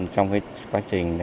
trong quá trình